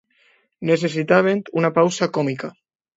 Necessitàvem una pausa còmica.